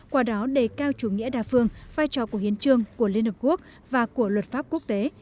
qua đó đề cao chủ nghĩa đa phương vai trò của hiến trương của liên hợp quốc và của luật pháp quốc tế